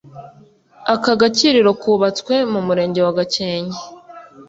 Aka gakiriro kubatswe mu Murenge wa Gakenke